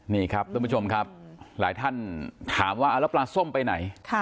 นี่ครับท่านผู้ชมครับหลายท่านถามว่าแล้วปลาส้มไปไหน